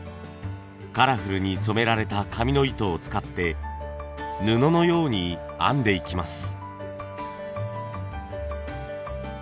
カラフルに染められた紙の糸を使って布のように編んでいきます。